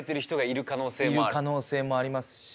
いる可能性もありますし。